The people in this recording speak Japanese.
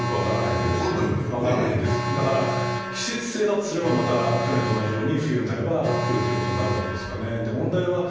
だから季節性だとすれば、去年と同じように冬になれば来るということになるわけですよね。